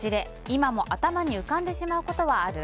今も頭に浮かんでしまうことはある？